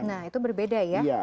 nah itu berbeda ya